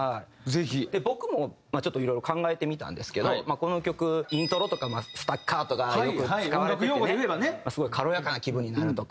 僕もちょっといろいろ考えてみたんですけどこの曲イントロとかスタッカートがよく使われててねすごい軽やかな気分になるとか。